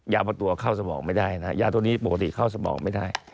ประตูเข้าสมองไม่ได้นะฮะยาตัวนี้ปกติเข้าสมองไม่ได้